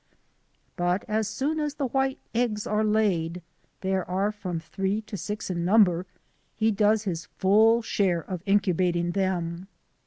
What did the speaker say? But as soon as the white eggs are laid — there are from three to six in number — he does his full share of incubating them.